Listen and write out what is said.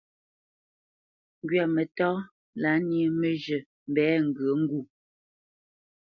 Ŋgwamǝtá lâ nyé mǝ́zhǝ̂ mbɛ ŋgyǝ ŋgû.